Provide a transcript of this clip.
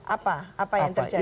apa apa yang terjadi